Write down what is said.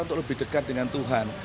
untuk lebih dekat dengan tuhan